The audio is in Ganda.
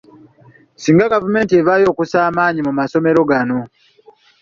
Singa gavumenti evaayo okussa amaanyi mu masomero gano.